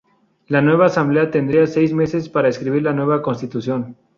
La nueva asamblea tendrá seis meses para escribir la nueva constitución.